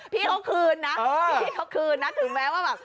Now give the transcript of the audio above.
พี่เขาคืนนะถึงแม้ว่าแบบ